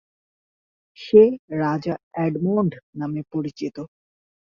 সে রাজা এডমন্ড নামে পরিচিত।